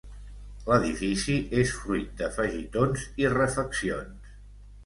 L'edifici és fruit d'afegitons i refeccions.